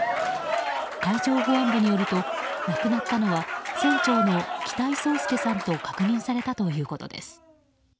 海上保安部によると亡くなったのは船長の北井宗祐さんと確認されたということです。